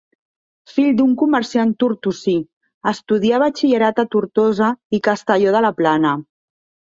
Fill d'un comerciant tortosí, estudià batxillerat a Tortosa i Castelló de la Plana.